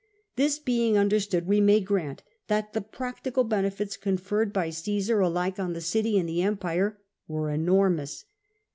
This being understood, we may grant that the prac tical benefits conferred by Caesar alike on the City and the Empire were enormous.